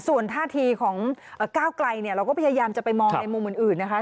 ส่วนท่าทีของก้าวไกลเนี่ยเราก็พยายามจะไปมองในมุมอื่นนะคะ